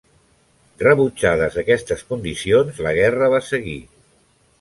Rebutjades aquestes condicions la guerra va seguir.